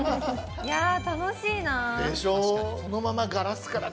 いやー、楽しいな。